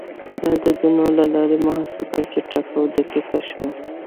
د عددونو له لارې محاسبه چټکه او دقیق شوه.